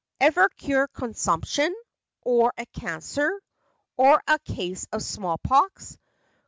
"Ever cure consumption ? Or a Cancer ? Or a case of small pox